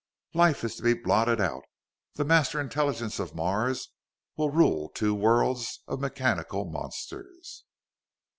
"Life is to be blotted out! The Master Intelligence of Mars will rule two worlds of mechanical monsters!"